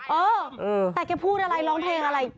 เออแต่แกพูดอะไรร้องเพลงอะไร